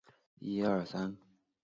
他们有些是贝塔以色列。